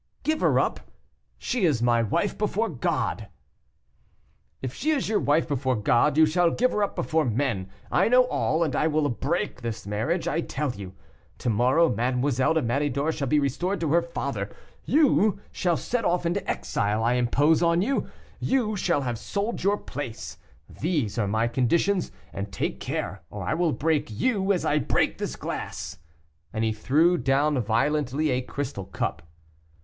"Give her up! she is my wife before God " "If she is your wife before God, you shall give her up before men. I know all, and I will break this marriage, I tell you. To morrow, Mademoiselle de Méridor shall be restored to her father; you shall set off into the exile I impose on you; you shall have sold your place; these are my conditions, and take care, or I will break you as I break this glass." And he threw down violently a crystal cup.